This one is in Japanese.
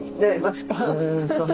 うんとね。